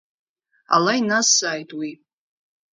Ала иназҵааит уи.